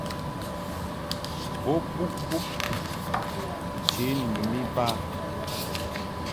Bo buʼ bub nche ni nyum iba.